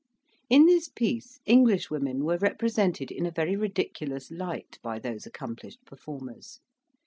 In this piece Englishwomen were represented in a very ridiculous light by those accomplished performers.